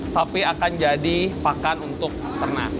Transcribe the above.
sapi akan jadi pakan untuk ternak